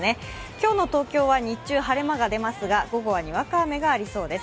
今日の東京は日中晴れ間が出ますが、午後はにわか雨がありそうです。